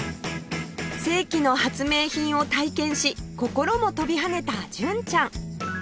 世紀の発明品を体験し心も跳びはねた純ちゃん